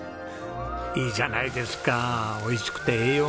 いいじゃないですか美味しくて栄養満点の鍋。